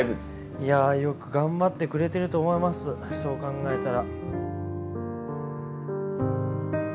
いやあよく頑張ってくれてると思いますそう考えたら。